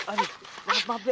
aduh maaf pak